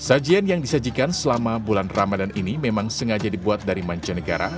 sajian yang disajikan selama bulan ramadhan ini memang sengaja dibuat dari mancanegara